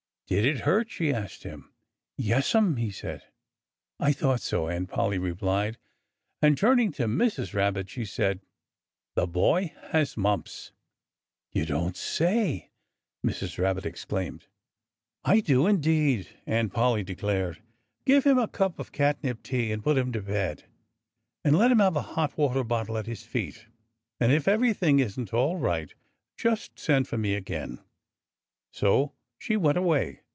"Did it hurt?" she asked him. "Yessum!" he said. "I thought so!" Aunt Polly replied. And turning to Mrs. Rabbit, she said, "This boy has mumps." "You don't say so!" Mrs. Rabbit exclaimed. "I do, indeed!" Aunt Polly declared. "Give him a cup of catnip tea and put him to bed. And let him have a hot water bottle at his feet. And if everything isn't all right, just send for me again." So she went away.